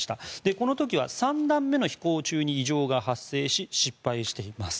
この時は３段目の飛行中に異常が発生し失敗しています。